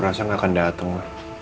masa gak akan dateng